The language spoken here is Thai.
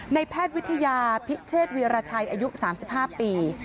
แพทย์วิทยาพิเชษวีรชัยอายุ๓๕ปี